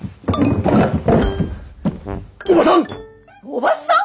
おばさん！